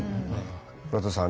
倉田さん